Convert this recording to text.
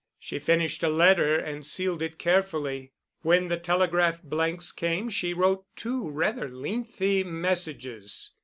She finished a letter and sealed it carefully. When the telegraph blanks came she wrote two rather lengthy messages.